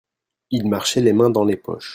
Il marchait les mains dans les poches.